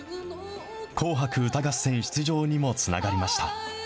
紅白歌合戦出場にもつながりました。